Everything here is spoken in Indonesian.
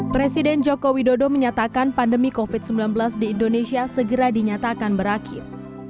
presiden joko widodo menyatakan pandemi covid sembilan belas di indonesia segera dinyatakan berakhir